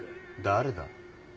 誰だ？